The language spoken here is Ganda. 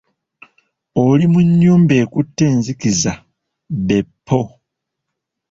Oli mu nnyumba ekutte enzikiza be ppo!